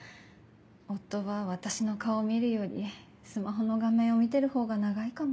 夫は私の顔を見るよりスマホの画面を見てるほうが長いかも。